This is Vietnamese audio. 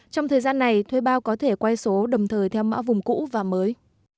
trong thời gian này thuê bao có thể quay số đồng thời theo mã vùng cũ và mới